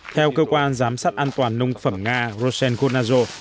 theo cơ quan giám sát an toàn nông phẩm nga roshen konazo